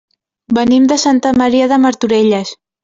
Venim de Santa Maria de Martorelles.